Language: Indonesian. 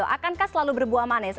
akankah selalu berbuah manis